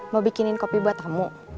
mau bikinin kopi buat kamu